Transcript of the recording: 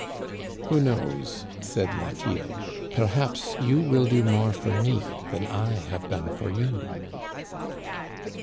" Who knows/* said Lochiel, perhaps you will do more for me than I have done for you."